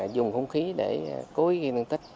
dùng hung khí để cố ghi năng tích